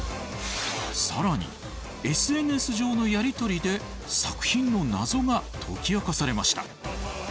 更にＳＮＳ上のやりとりで作品のナゾが解き明かされました。